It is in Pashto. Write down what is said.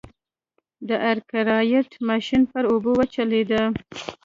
د ارکرایټ ماشین پر اوبو چلېده.